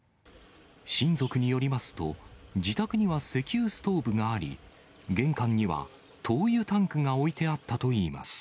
親族によりますと、自宅には石油ストーブがあり、玄関には灯油タンクが置いてあったといいます。